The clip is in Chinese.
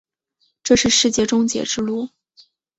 这是世界终结之路。